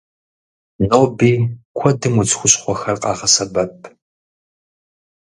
Ноби куэдым удз хущхъуэхэр къагъэсэбэп.